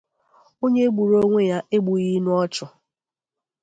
Onye gburu onwe ya egbughịnụ ọchụ